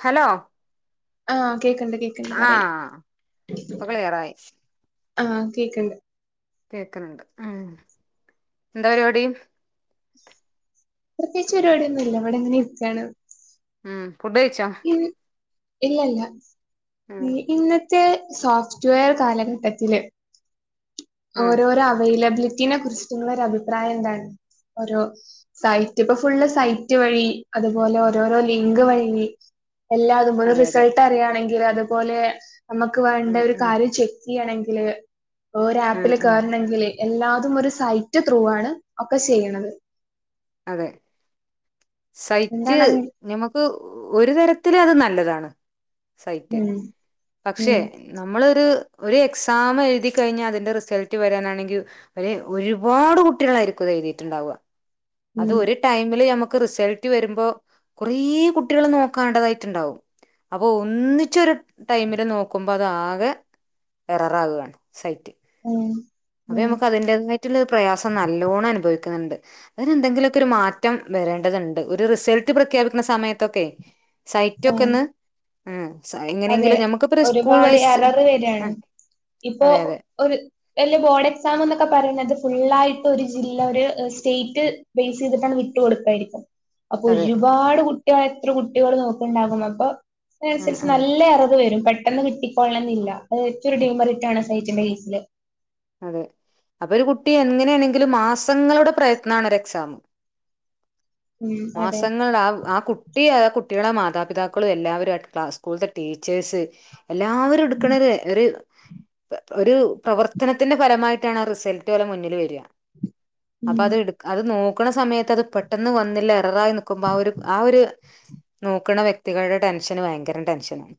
Hello ആ ആ ഇപ്പൊ ക്ലിയറായി ആഹ് കേക്ക്ണ്ട് കേക്കണിണ്ട് ഉം എന്താ പരിപാടി പ്രത്യേകിച്ച് പരിപാടിയൊന്നുല്ല ഇവിടെ ഇങ്ങനെ ഇരിക്കാണ് ഉം ഫുഡ്‌ കഴിച്ചോ? ഇല്ല ഇല്ല ഉം [unintelligible] ഇന്ന ത്ത് സോഫ്റ്റ്‌വെയർ കാലഘട്ടത്തില് ആഹ് ഓരോരോ അവേലിബിളി ഇതിനെ കുറിച്ചിട്ടുള്ള ഒരു അഭിപ്രായം എന്താണ് ഓരോ സൈറ്റ് ഇപ്പൊ ഫുള്ള് സൈറ്റ് വഴി, അതുപോലെ ഓരോരോ ലിങ്ക് വഴി എല്ലാതും ഒരു അതെ അതെ റിസൾട്ട് അറിയാണെ എങ്കിൽ അതുപോലെ നമുക്ക് വേണ്ട ഉം ഒരു ഉം കാര്യം ചെ റ്റിയാണെകിൽ ആഹ് പ്പില്ല് ആഹ് കാരണഗില് എല്ലാതും ഒരു സൈറ്റ് ത്രൂ ആണ് ഒക്കെ ചെയ്യണത് അതെ സൈറ്റ് എന്താണ് അതിന്റെ ഞമ്മക് ഒരു തരത്തില് അത് നല്ലതാണ് സൈറ്റ് ഉം ഉം പക്ഷെ നമ്മളൊരു ഒരു എക്സാം എഴുതി കഴിഞ്ഞ് അതിന്റെ റിസൾട്ട് വരാനാണെങ്കിൽ ഒരു ഒരുപാട് കുട്ടികളായിരിക്കും അത് എഴുതിട്ടുണ്ടാവ അത് ഉം ഒരു ടൈമില് ഞമ്മ ക്ക് റിസൾട്ട് വരുമ്പോ കുറേ കുട്ടികള് നോക്കണ്ടതായിട്ടുണ്ടാവും അപ്പൊ ഒന്നിച്ചൊരു ടൈമില് നോക്കുമ്പോ അതാകെ എററാകാണ് സൈറ്റ് ഉം അതെ ഉം ഞമ്മക്ക് അതിന്റതായിട്ടുള്ള പ്രയാസം നല്ലോണം അനുഭവിക്കും ണ്ട് അതിനെന്തെങ്കിലൊക്കെ ഒരു മാറ്റം വരേണ്ടതുണ്ട് ഒരു റിസൾട്ട് പ്രഖ്യാപിക്കുന്ന സമയത്തൊക്കെ ഉം സൈറ്റൊക്കൊന്ന് ഉം അതെ എങ്ങനെയെങ്കിലും ഞമ്മക്കിപ്പോ സ്കൂൾ ഒരുപാട് വൈസ് എററ് ആ വെരാണ് ഇപ്പൊ അതെ അതെ ഒരു വല്ല ബോഡ ക്സാം ന്നൊക്കെ പറേണത് ഫുള്ളായിട്ട് ഒരു ജില്ല ഒരു സ്റ്റേറ്റ് ബേസീതിട്ടങ് വിട്ട് കൊട്ക്കായിരിക്കും. അപ്പൊ അതെ ഒരുപാട് കുട്ടി ക എത്ര കുട്ടികള് നോക്ക്ണ്ടാവും അപ്പൊ ശ ആ ശരി ആ നല്ല അറിവ്‌ വരും പഠി പെട്ടെന്ന് കിട്ടിക്കോളണംന്നില്ല. അതെറ്റൊരു ഡിമെറിറ്റാണ്. റയ്റ്റിന്റെ കേസില് അതെ അപ്പൊ ഒരു കുട്ടി എങ്ങനെണെങ്കിലും മാസങ്ങളുടെ പ്രയത്നാണ് ഒരു എക്സാം. ഉം അതെ മാസങ്ങൾ ആ ആ കുട്ടി ആ കുട്ടി കുട്ട്യേളെ മാതാപിതാക്കളും എല്ലാവരുംഅടുത്ത സ്കൂളത്തെ ടീച്ചേഴ്സ് എല്ലാവരും ഉം എട്ക്ക്ണൊരു ഒരു ഒരു പ്രവർ ത്തനത്തിന്റെ ഫലമായിട്ടാണ് ആ റിസൾട്ട് ഓലെ മുന്നില് വര്യാ അപ്പൊ ഉം അത് ഇട്ക് അത് നോ- ക്കണ സമയത്ത് അത് പെട്ടെന്ന് വന്നില്ല എററായി നിക്കുമ്പോ ആ ഒരു ആ ഒര് നോക്കണ വ്യക്തികളുടെ ടെൻഷന് വയങ്കരം ടെൻഷനാണ്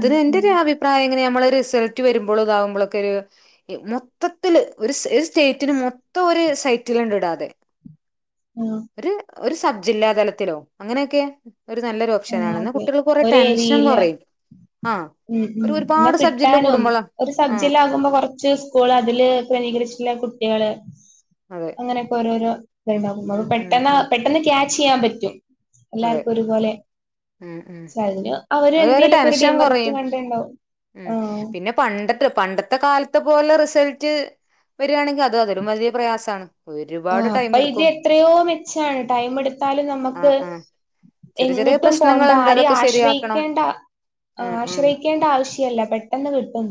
ഉം ഉം ആ അഭിപ്രായെങ്ങനാ നമ്മള റിസൾട്ട് വരുമ്പൊളും താവുമ്പോളൊക്കൊരു മൊത്തത്തില് ഒരു സ് സ്റ്റേറ്റിന് മൊത്തം ഒരു സൈറ്റില്ണ്ടിടാതെ ആ ഒരു സബ്ജില്ലാ തലത്തിലോ അങ്ങനെക്കെ ഒരു നല്ലൊരു ഉം ഓപ്ഷനാണ്. ന്നാ അതെ കുട്ടികൾക്ക് കൊറേ ഒരു ടെൻഷൻ ഏരിയയില് കൊറയും ആഹ് ഉം ഉം ഒരു പിന്നെ ഒരുപാട് സബ് ജില്ല കൂടുമ്പോള ആഹ് ച്ച് സ്കൂള് അതില് ക്രമീകരിച്ചിട്ട്ള്ള കുട്ട്യാള് അതെ അങ്ങനെക്കെ ഓരോരോ ടീമാകും അപ്പ ഉം ഉം പെട്ടന്ന ഉം പെട്ടന്ന്ക്യാ ച്ച്യാൻ പറ്റും അതെ എല്ലാർക്കും ഒരുപോലെ ഉം ഉം ച്ചഅതിന് അവരെന്തെലൊക്കെ ഒരു ഡിമെറിറ്റ് കണ്ടിട്ട്ണ്ടാവും ഊം പിന്നെ പണ്ട ത്ത് പണ്ടത്തെ കാലത്തെ പോലെ റിസൾട്ട് വര്ആണെങ്കിൽ അത് അതിലും വലിയ പ്രയാസാണ് ആ അപ്പൊ ഇത് എത്രയോ മെച്ചാണ് ടൈം എടുത്താലും ആ നമുക്ക് ആ ചെറിയ ചെറിയ എങ്ങിട്ടും പോകണ്ട പ്രശ്നങ്ങളുണ്ട് ആരെയും അതൊക്കെ ശരിയാക്കണം ആശ്രയിക്കേണ്ട ഉം ഉം ആശ്രയിക്കേണ്ട ആവശ്യം ല്ല പെട്ടെന്ന് കിട്ടും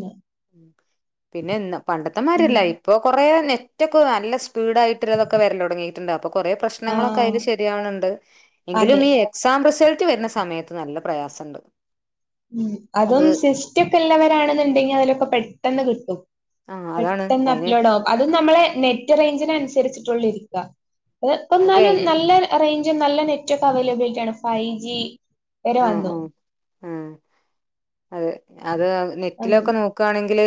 ഉപിന്നെ ഇ ഉം പണ്ടത്തെമാരെല്ല ഇപ്പൊ കൊറേ നെ നെറ്റൊക്ക നല്ല സ്പീഡായിട്ടള്ളൊതൊക്കെ വരല് തൊടങ്ങിട്ടുണ്ട് അപ്പൊ കുറേ പ്രശ്നങ്ങളൊക്കെ ആഹ് അയില് ശരിയാവണുണ്ട് എങ്കിലും അതെ ഈ എക്സാം റിസൾ വരുന്ന സമയത്ത് നല്ല പ്രയാസണ്ട് അതും സിസ്റ്റ്ക്കെ ഒള്ളവരാണെന്നുണ്ടെങ്കിൽ അതിലൊക്കെ പെട്ടന്ന് കിട്ടും ആ അതാണ് പെട്ടന്ന് അതിന് അപ്‌ലോഡ് ആകും അത് നമ്മളെ നെറ്റ് റേഞ്ചിനനുസരിച്ചിട്ടുള്ളിരിക്ക ഇപ്പ അതിപ്പെന്നാലും നല്ല റേഞ്ച് പ്പം നല്ല നെറ്റൊക്കെ അവൈലബിലിറ്റി ആണ് ഫൈവ് ജി എര ആ വന്നു ആ ആ അതെ അത് നെറ്റിലൊക്കെ അങ്ങനെ നോക്കാണെങ്കില്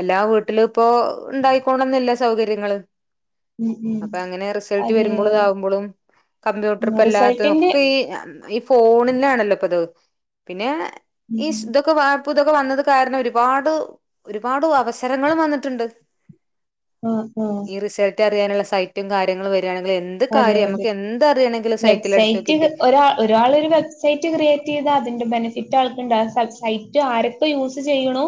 എല്ലാ വീട്ടിലും ഇപ്പോ ഉണ്ടായിക്കോളന്നില്ല സൗകര്യങ്ങള് ഉം ഉം അപ്പോ അങ്ങനെ റിസൾട്ട് അതെ വരുമ്പളും ഇതാവുമ്പളും കമ്പ്യൂട്ടർ ഇപ്പല്ലാത്ത റിസൾട്ടിന്റെ ഒക്കെ ഈ ഫോണിലാണ് [unintelligible] പിന്നെ ഇസ് തക്കൊ വാ പ്പൊ ഇതൊക്കെ വന്നത് കാരണം ഒരുപാട് ഒരുപാട് അവസരങ്ങളും വന്നിട്ടുണ്ട് ആഹ് ആഹ് ഈ റിസൾട്ട് അറിയാനുള്ള സൈറ്റും കാര്യങ്ങളും വെ അതെ അതെ സൈറ്റിൽ അടിച്ചു വെബ്സൈറ്റ് നോക്കിട്ട് ഒരാ ഒരാളൊരു വെബ്സൈറ്റ് ക്രിയേ ഇത് അതിന്റെ ബെനിഫിറ്റ് ആൾക്ക് ഉണ്ടാ സൈറ്റ് ആരൊക്കെ യൂസ് ചെയ്യണു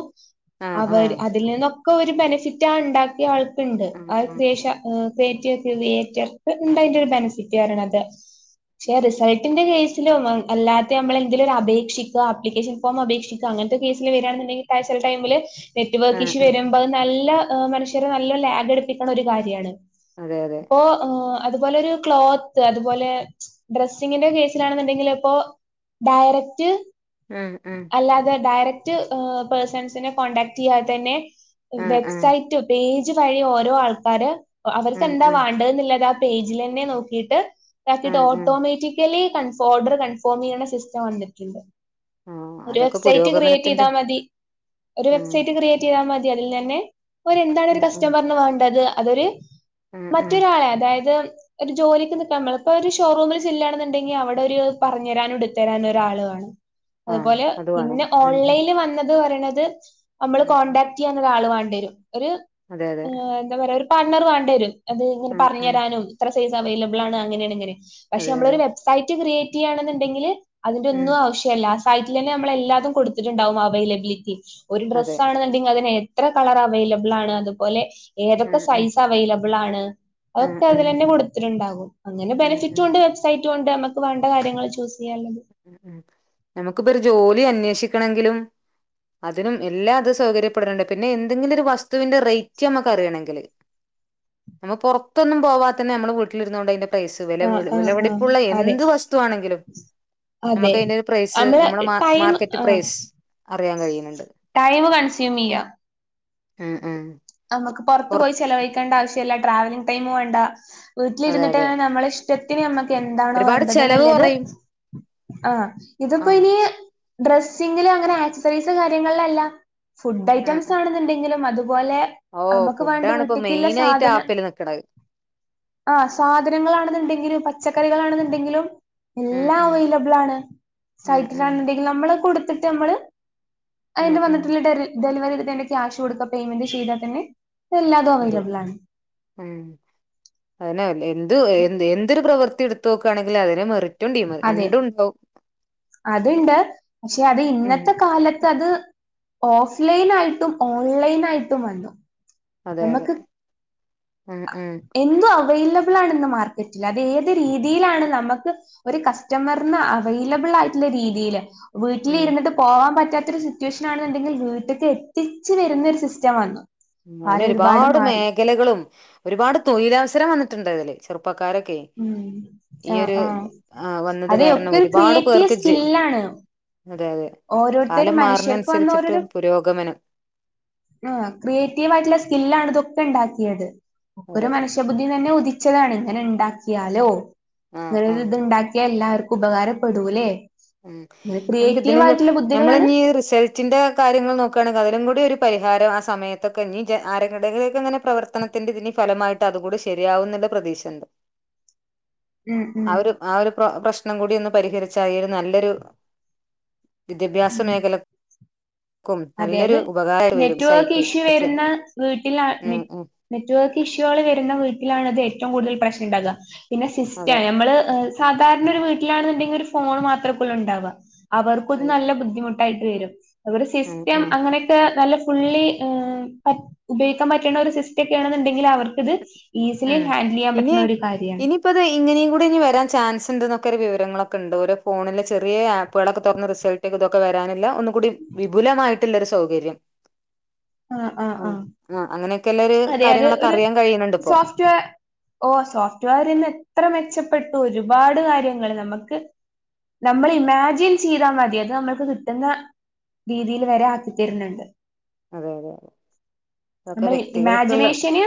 ആഹ് അവര് ആഹ് അതിൽ നിന്നു ക്ക് ഒരു ബെനിഫിറ്റാ ഉണ്ടാക്കിയ ആൾ ക്ക് ണ്ട് ആഹ് ആഹ് [unintelligible] ഡേറ്റ ക്രിയേറ്റർ ഉണ്ടതിന്റെ ഒരു ബെനിഫിറ്റ് പറ ണത് ക്ഷെ റിസൾട്ടിന്റെ കേസില് അല്ലാത്ത നമ്മളെന്തേലും ഒരു അപേക്ഷിക്കയോ ആപ്ലിക്കേഷൻ ഫോം അപേക്ഷിക്കേ അങ്ങനത്തെ കേസില് വരിയാണെന്നുണ്ടെങ്കിൽ ചെല ടൈമില് നെറ്റ് വർക്ക് ആഹ് ഇഷ്യു ആഹ് വരുമ്പോ അത് നല്ല ഹ് മനുഷ്യരെ നല്ല ലാഗടിപ്പിക്കണ ഒരു കാര്യാണ് അതെ അതെ അപ്പൊ ആ അതുപോലൊരു ക്ലോത്ത് അതുപോലെ ഡ്രസ്സിങ്ങിന്റെ കേസിലാണെന്നുണ്ടെങ്കില് ഇപ്പോ ഡയറക്റ്റ് ആഹ് ആഹ് അല്ലാതെ ഡയറക് റ്റ് പേഴ്സൺസിനെ കോൺടാക്ട് ചെയ്യാതെ തന്നെ ആഹ് ആഹ് വെബ്സൈറ്റ് പേ [unintelligible] പറയും ഓരോ ആൾക്കാര് ആഹ് അവർക്കെന്താ ആഹ് വേണ്ടത് എന്ന്ള്ളത് പേജിലന്നെ നോക്കിട്ട് [unintelligible] ആഹ് ആഹ് ഓട്ടോമാറ്റിക്കലി കൺഫോം ഓർഡർ കൺഫോം ചെയ്യണ സിസ്റ്റം വന്നിട്ടുണ്ട് ആഹ് ഒരു അതൊക്കെ വെബ്സൈറ്റ് ക്രിയേറ്റ് പുരോഗമനത്തിന്റെ ചെയ്താ മതി ഒരു ആഹ് വെബ്സൈറ്റ് ക്രിയേറ്റ് ചെയ്താ മ അല്ലെനെ ഒര് എന്താണ് ഒര് ഉം ഉം കസ്റ്റമറിന് വേണ്ടത് അതൊരു ഉം ഉം മറ്റൊരാളെ അതായ ഇത് ഒരു ജോലിക്ക് നിക്കാൻ ഇപ്പോ ഒരു ഷോറൂമിൽ ചെല്ലുകാണെന്നുണ്ടെങ്കിൽ അവിടെ ഒരു പറഞ്ഞു തരാനും എടുത്തു തരാനും ഒരാളു കാണും ആഹ് അതുപോലെ അത് വേണം പിന്നെ ഉം ഉം ഓൺലൈനിൽ വന്നത് പറയണ ത് നമ്മള് ഉം ഉം കോൺടാക്ട് ചെയ്യാൻ ഒരാള് വേണ വെരും ഒരു അതെ അതെ ഹ് എന്താ പറയാ ഒരു പാർട്ണറ് വേണ്ടി വരും അത് ഇങ്ങനെ ഉം പറഞ്ഞു ഉം തരാനും സൈസ് അവൈലബിൾ ആണ് അങ്ങനെയാണ് ഇങ്ങനെ പക്ഷെ അതെ നമ്മള് അതെ ഒരു വെബ്സൈറ്റ് ക്രിയേ [unintelligible] ആണെന്നുണ്ടെങ്കില് അതിന്റെ ഉം ഒന്നും ആവശ്യവില്ല സൈറ്റിൽ തന്നെ നമ്മളെല്ലാതും കൊടുത്തിട്ടുണ്ടാവും അവയിലബിലിറ്റി ഒരു ഡ്രസ്സ് അതെ ആണെന്നുണ്ടെങ്കിൽ അതിനെ എത്ര കളർ അവൈലബിൾ ആണ് അതുപോലെ ഏതൊക്കെ ഉം ഉം സൈസ് അവൈലബിൾ ആണ് ഉം അതൊ ഉം അതിൽതന്നെ കൊടുത്തിട്ടുണ്ടാകും അങ്ങനെ ഉം ബെനിഫിറ്റും ഉം ഉണ്ട് വെബ്സൈ ഉണ്ട് നമ്മക്ക് വേണ്ട കാര്യങ്ങൾ ചൂസ് [unintelligible] ഉം ഉം നമുക്ക് ഇപ്പൊ ഒരു ജോലി അന്വേഷി ആക്കണങ്കിലും അതിനും എല്ലാം അത് സൗകര്യപ്പെടുന്നുണ്ട് പിന്നെ എന്തെങ്കിലും ഒരു വസ്തുവിന്റെ റേറ്റ് നമ്മുക്കറിയണെങ്കിൽ നമ്മ പുറത്തൊന്നും പോവാ തന്നെ നമ്മൾ വീട്ടിലിരുന്നോണ്ട് അതിന്റെ പ്രൈസ് വെല ആ ആ ആ വിലപിടിപ്പുള്ള അതെ എന്ത് വസ്തുവാണെങ്കിലും അതെ ഞമ്മക്കയിന്റെരു പ്രൈസ് നമ്മള് ഞമ്മള് മാർ ടൈം മാർക്കറ്റ് പ്രൈസ് അ റിയാൻ കഴിയ്ണണ്ട് ടൈമ് കൺസ്യൂമിയ മ് മ് നമ്മക്ക് പുറത്ത് പോയി ചെലവയിക്കേണ്ട ആവശ്യം ഇല്ല ട്രാവലിങ്ങ് ടൈമ് വേണ്ട അതെ അതെ വീട്ടിലിരുന്നിട്ടെന്നെ നമ്മള് ശ് ത്തിൽ മ്മക്ക് എന്താണോ ഒരുപാട് വേണ്ടത് ചെലവ് ന്നുള്ളത് കുറയും ആ ആ ഇതിപ്പോനി ഡ്രസ്സിങ്ങില് അങ്ങനെ ആക്സസറീസ് കാര്യങ്ങളിലല്ല ഫുഡ് ആ ഐറ്റംസ് ആണെന്നുണ്ടെങ്കിലും അത് പൂവല്ലേ ഓ നമുക്ക് വേണ്ട ഫുഡാണ് ഇപ്പോ വീട്ടിക്കുള്ള മെയിൻ ആയിട്ട് സാധന ആപ്പിൽ നിക്കണത് ആ സാധനങ്ങളാണെന്ന്ണ്ടെങ്കിലും പറ്റ് പച്ചക്കറികളാണെന്ന്ണ്ടെങ്കിലും ഉം എല്ലാം ഉം അവൈലബിൾ ആണ് ഉം ഉം സൈറ്റിലാണന്ന്ണ്ടെങ്കി നമ്മള് കൊടു ത്ത്ട്ട് അമ്മള് ഉം അയിന് ഉം വന്നിട്ട്ള്ള ഡെലി ഡെലിവറി തെന്റെ കാഷ് കൊടുക്ക പെയ്മെന്റ് ചെയ്താ പിന്നെ അതെ ഉം അതിന എന്ത് എന്തൊരു പ്രവർത്തി എടുത്തോക്കാണെകിലും അതിനെ മറി അതെ അതുണ്ട് പക്ഷെ അത് ഉം ഇന്നത്തെ കാലത്ത് അത് ഓഫ്‌ലൈനായിട്ടും ഓൺലൈൻ ആയിട്ടും വന്നു അതെ അതെ നമുക്ക് ഉം ഉം എന്തും അവൈല ബ്ളാണ് ഇന്ന് മാർക്കറ്റിൽ അത് ഏത് രീതിയിലാണ് നമക്ക് ഒരു കസ്റ്റമർന് അവൈലബിൾ ആയിട്ടുള്ള രീതിയില് വീട്ടില് ഉം ഇരുന്ന്ട്ട് പോവാൻ പറ്റാ സിറ്റുവേഷൻ ആണെന്ന്ണ്ടെങ്കിൽ വീട്ട്ക്ക് എത്തിച്ച് വരുന്ന ഒരു സിസ്റ്റം ആക്കി അതിന് ഒരുപാട് മേഖലകളും ഒരുപാട് തൊഴിലവസരം വന്ന്ട്ട്ണ്ടതിൽ ചെറുപ്പക്കാരൊ ഉ ആ ആ ആ വന്നത് അതെ കാരണം ഒക്കെ ഒരു ഒരുപാട് ക്രിയേറ്റീവ് പേർക്ക് ജെ സ്കില്ലാണ് അതെ അതെ കാലം ഓരോരുത്തരും മാറുന്ന മനുഷ്യർക്ക് വന്ന അനുസരിച്ചിട്ട് ഓരോരോ പുരോഗമനം ത്യമായിട്ടുള്ള സ്കില്ലാണ് ഇതൊക്കെ ണ്ടാക്കിയത് ഒരു അതെ മനുഷ്യബുദ്ധിന്നെന്നെ ഉദിച്ചതാണ് ഇങ്ങനെ ഇ ണ്ടാക്കിയാലോ ആ ആ ഇങ്ങനൊര്ത് ണ്ടാക്കിയ എല്ലാവർ ഉപകാര പെടൂലെ ഉം എൻക്ക് തിന നമ്മള് ബുദ്ധികളാണ് ഞ് റിസൾട്ടിന്റെ കാര്യങ്ങൾ നോക്കാണെങ്കിൽ അതിനും കൂടി ഒരു പരിഹാരം ആ സമയത്തൊക്കെ ഇ ആരടെങ്ങനെ പ്രവർത്തനത്തിന്റെ ഇതിനി ഫലമായിട്ട് അതുകൂടി ശരിയാവുന്നുള്ള പ്രതീക്ഷണ്ട് ഉം ഉം ആഒരു ആഒരു പ്രശ് ണം കൂടി ഒന്ന് പരിഹരിച്ചായിരുന്നു നല്ലൊരു വിദ്യാഭ്യസ ഉം മേഖല അതെ അത് വരും നെറ്റ് വർക്ക് സൈറ്റ് ഇഷ്യൂ വരുന്ന വീട്ടിലാ ഉം ഉം നെറ്റ് വർക്ക് ഇഷ്യൂകൾ വരുന്ന വീട്ടിലാണത് ഏറ്റവും കൂടുതൽ പ്രശ്ണ ണ്ടാകാ പിന്നെ സിസ്റ്റ അതെ നമ്മള് സാധാരണൊരു വീട്ടിലാണ്ണ്ടെങ്കിൽ ഒരു ഫോൺ മാത്രേക്കല്ലൂണ്ടാവ അവർക്കുത് അതെ നല്ല ബുദ്ധിമുട്ട് ക്കായിട്ട് വരും അവര് സി ഉം സത്യം ഉം അങ്ങനൊക്കേ നല്ല പുള്ളി ഏ പ ഉപയോഗിക്കാൻ പറ്റ്ണ്ടരു സിസ്റ്റക്കെണണ്ടെങ്കിൽ അവർക്ക് ഉം ഇനി കാര്യാണ്. ഇനിപ്പത് ഇങ്ങനെയുംകൂടെ ഇനി വരാൻ ചാൻസ്ണ്ട്ന്ന് ഒ വിവരങ്ങളൊക്കേണ്ട് ഓരോ ഫോണില ചെറിയ ആപ്പാളൊക്കേ തുറന്ന് റിസൾട്ടേതൊക്കെ വരാനില്ല ഒ കൂടി വിപുലമായി ള്ളൊരു സൗകര്യം ആഹ് ആഹ് ആ ആ അങ്ങനെയൊക്കേല്ലരു കാര്യങ്ങളൊക്ക സോഫ്റ്റ്എ ഓ സോഫറ്റ് വെയർഎത്ര മെച്ചപ്പെട്ടു പാട് കാര്യങ്ങൾ നമ്മക്ക് നമ്മൾ ഇമാജിൻ ചെയ്താ മതി അത് നമ്മൾക്ക് കിട്ടുന്ന രീതിയിൽ വരെ ആക്കിതരുന്ന്ണ്ട് അതെ അതെ അതെ അതൊക്കെ നമ്മൾ വ്യക്തികൾക്കുള്ള ഇമാജിനേഷന്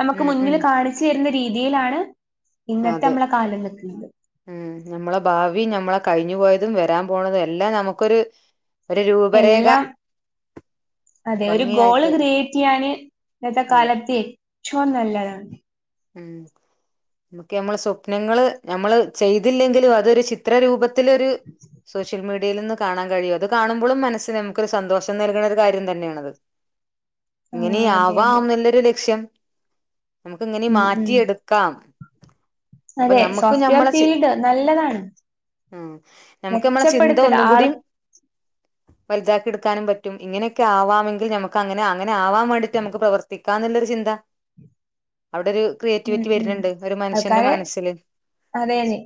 നമ്മക്ക് ഉം ഉം മുന്നില് കാണിച്ചരുന്ന രീതിയിലാണ് ഇന്നത്തെ അതെ നമ്മളെ കാലം നിൽക്കുന്നത് ഉം നമ്മളെ ഭാവി നമ്മളെ കഴിഞ്ഞു പോയതും വരാ വരാൻ പോണതല്ലാം നമുക്കൊരു ഒരു രൂപരേഖ എല്ലാം അതെ ഒരു ഗോള് ഭംഗിയായിട്ട് ക്രിയേറ്റ്യ്യാന് ന്നത്തെ അതെ കാലത്തെ ചോ നല്ലതാണ് ഉം നമുക്കെ മ്മളെ സ്വപ്നങ്ങള് നമ്മള് ചെയ്തില്ലെങ്കിലും അതൊരു ചിത്രരൂപ ത്തിലൊരു സോഷ്യൽ മീഡിയ ന്തേലൊന്ന് കാണാൻ കഴിയും അത് കാണുമ്പളും മനസ്ന് നമുക്കൊരു സന്തോഷം നൽകുന്നരു കാര്യം തന്നെയണത് ആ അതെ ഇങ്ങനെയാവാം അതെ എന്നല്ലരു ലക്ഷ്യം നമു എങ്ങനെ ഉം ഉം മാറ്റിയെടുക്കാം അപ്പൊ അതെ നമ്മക്ക് സോഫ്റ്റ്വെയർ നമ്മളെ ചി ഫീൽഡ് നല്ലതാണ് ഉം നമുക്ക് നമ്മളെ ചിന്ത മെച്ചപ്പെടുത്തൽ ആൾ ഒന്നുംകൂടും വലുതാക്കി എട് നും പറ്റും ഇങ്ങനൊക്കേ ആവാമെങ്കിൽ നമ്ക്ക് അങ്ങനെ അങ്ങനെ ആവാൻ വേണ്ടിട്ട് നമ്മക്ക് പ്രവർത്തിക്കും കാന്നില്ലൊരു ചിന്ത അവിടൊരു ഉം ഉം ആൾക്കാരെ അതെ അതെ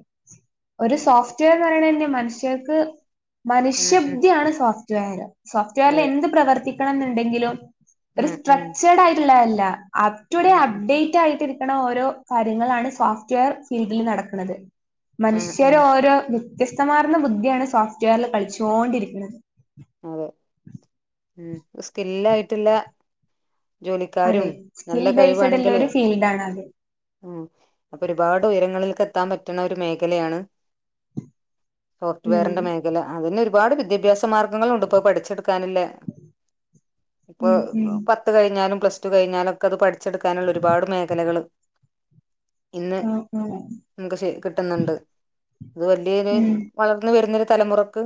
ഒരു സോഫ്റ്റ്‌വെയർ പറയണെന്നേ മനുഷ്യ ക്ക് ഉം ഉം മനുഷ്യബ്ധിയാണ് സോഫ്റ്റ്‌വെയർ സോഫ്റ്റ്‌വെയറിൽ അതെ എന്ത് പ്രവർത്തിക്കണന്നുണ്ടെങ്കിലും ഒരു ഉം ഉം സ്ട്രക്ചഡ് ആയിട്ള്ളല്ലേ ല്ല അറ്റുഡേ ഉം ഉം അപ്ഡേറ്റ് ആയിട്ട് ഇരി ഇങ്ങനെ ഓരോ കാര്യങ്ങളാണ് സോഫ്റ്റ്യർ ഫീൽഡിൽ നടക്ക്ണ ത് ഉം ഉം മനുഷ്യരോരോ മം വ്യത്യസ്തമാർന്ന ബുദ്ധിയാണ് സോഫ്റ്റ്‌വെയറി പഠി ചോണ്ടിരിക്ക്ണത് അതെ മം സ്കില്ലായിട്ടില്ല ജോലിക്കാരും അതെ. നല്ല സ്കിൽ കഴി ബേസ്ഡ് ഉള്ള വാണെങ്കില് ഒരു ഫീൽഡാണ് അത്. അപ്പൊ ഒരുപാട് ഉയരങ്ങളിൽക്ക എത്താൻ പറ്റണ ഒരു മേഖലയാണ് ഉം. സോഫ്റ്റ്‌വെയറിന്റെ മേഖല അതെന്നെ വാർഡ് വിദ്യാഭ്യാസം മാർഗങ്ങളുണ്ട്പ്പോ പഠിച്ചെടു ക്കാനല്ലേ ഇപ്പൊ ഉം ഉം. പത്ത് കഴിഞ്ഞാലും പ്ലസ് ടു കഴിഞ്ഞാൽ ഒക്കെ അത് പടി ച്ചെടുക്കാനുള്ള ഒരുപാട് മേഖലകള് ഇന്ന് ആഹ് ആഹ്. നമുക്ക്ഷ കിട്ടുന്നുണ്ട് അത് വലിയ ഉം വളർന്ന് വരുന്നൊരു തലമുറക്ക്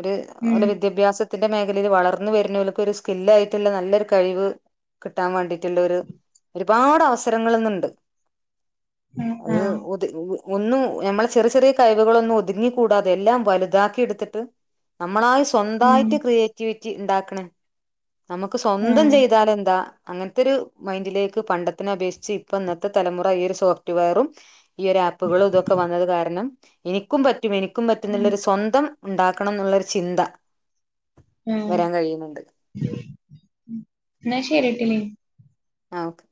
ഒരു ഒരു ഉം. വിദ്യാഭ്യാസ ല്ല രീതിയിൽ വളർന്ന് വരുന്നല്ല്ക്ക് ഒരു സ്കില്ലായിട്ടുള്ള നല്ലൊരു കഴിവ് കിട്ടാൻ വേണ്ടിട്ടുള്ള ഒരു ഒരുപാട് അവസരങ്ങള്ന്നണ്ട് ആഹ് അത് ആഹ്. ഉദ് [unintelligible] ഒന്നും ഞമ്മളെ ചെറിയ ചെറിയ കഴിവുകൾ ളോന്നും ഒതുങ്ങി കൂടാതെ എല്ലാം വലുതാക്കി എടുത്തിട്ട് നമ്മളായ ഉം സ്വന്തയിട്ട് ക്രിയേറ്റ് വിറ്റ് ണ്ടാക്കണ നമുക്ക് സ്വന്തം ആഹ്. ചെയ്താലന്താ അങ്ങനത്തെ ഒരു മൈൻഡിലേക്ക് പണ്ടത്തിനെ അപേക്ഷിച്ച് ഇപ്പ ഇന്നത്തെ തലമുറ ഈ ഒരു സോഫ്റ്റ്‌വെയറും ഈ ഒരു ആപ്പുകളും ഇതൊക്കെ വന്നത് കാരണം എനിക്കും പറ്റും എനിക്ക് ക്കും ഉം പറ്റുന്നുല്ലഒരു സ്വന്തം ഇണ്ടാക്കണം എന്നുള്ളൊരു ചിന്ത ആ വരാൻ കഴിയുന്നുണ്ട് ഇന്നാ ശരിട്ടിലേ ആ ഓക്കെ